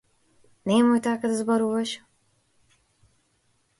Немој така да зборуваш.